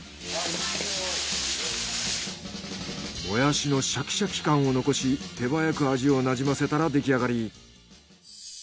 もやしのシャキシャキ感を残し手早く味を馴染ませたら出来上がり。